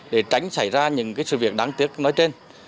để tránh xảy ra những sự việc đáng tiếc nói trên